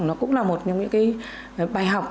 nó cũng là một những cái bài học